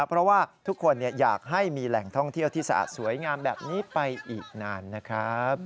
เพราะว่าทุกคนอยากให้มีแหล่งท่องเที่ยวที่สะอาดสวยงามแบบนี้ไปอีกนานนะครับ